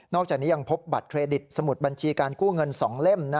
อกจากนี้ยังพบบัตรเครดิตสมุดบัญชีการกู้เงิน๒เล่ม